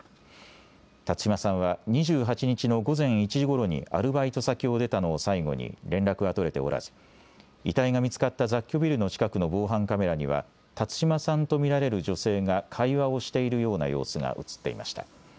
辰島さんは２８日の午前１時ごろにアルバイト先を出たのを最後に連絡が取れておらず、遺体が見つかった雑居ビルの近くの防犯カメラには、辰島さんと見られる女性が会話をしているような様子が写っていました。